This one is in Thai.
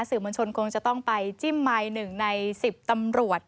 สื่อมวลชนคงจะต้องไปจิ้มไมค์๑ใน๑๐ตำรวจ